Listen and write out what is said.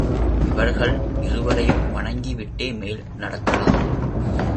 இவர்கள் இருவரையும் வணங்கிவிட்டே மேல் நடக்கலாம்.